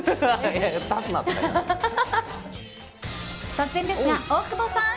突然ですが、大久保さん。